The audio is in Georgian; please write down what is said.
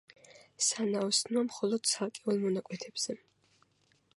სანაოსნოა მხოლოდ ცალკეულ მონაკვეთებზე.